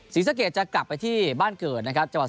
ศรีสะเกตจะกลับไปที่บ้านเกิด